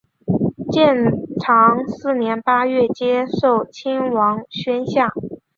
建长四年八月接受亲王宣下。